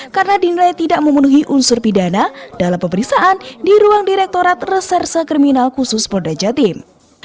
karena dinilai tidak memenuhi unsur pidana dalam pemeriksaan di ruang direktorat reserse kriminal khusus polda jawa timur